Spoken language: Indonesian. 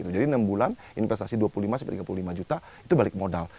jadi enam bulan investasi dua puluh lima hingga tiga puluh lima juta itu balik modal